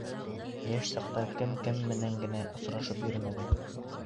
Йәш саҡта кем кем менән генә осрашып йөрөмәгән.